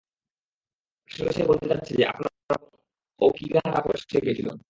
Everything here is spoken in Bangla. আসলে সে বলতে চাচ্ছে যে আপনার বোন অওকিগাহারা ফরেস্টে গিয়েছিল।